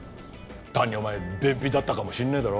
単にお前便秘だったかもしれねえだろ。